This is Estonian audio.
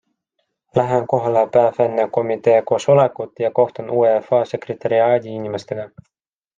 Lähen kohale päev enne komitee koosolekut ja kohtun UEFA sekretariaadi inimestega.